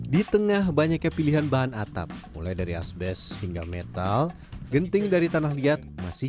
di tengah banyaknya pilihan bahan atap mulai dari asbest hingga metal genting dari tanah liat masih